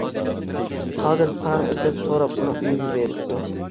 قادىر پاراڭ ئىزدەپ-سوراپ ئۇنىڭ ئۆيىگە بېرىپتۇ.